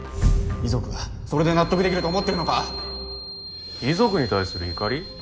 遺族がそれで納得できると思ってるの遺族に対する怒り？